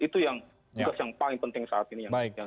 itu yang tugas yang paling penting saat ini